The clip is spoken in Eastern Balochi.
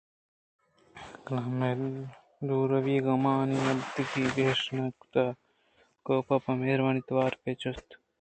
کلام ءِ دُوری ءِ غماں آئی ءِ ابیتکی گیش نہ کُتگ اَت ؟ کاف ءَ پہ مہروانی توار ےپِر جت